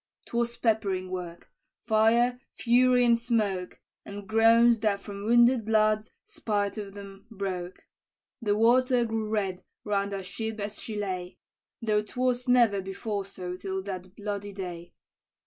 "'Twas peppering work, fire, fury, and smoke, And groans that from wounded lads, spite of 'em, broke. The water grew red round our ship as she lay, Though 'twas never before so till that bloody day.